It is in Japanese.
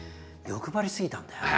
欲張りすぎたんだよな。